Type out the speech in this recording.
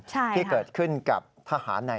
ที่เกิดขึ้นกับทหารใน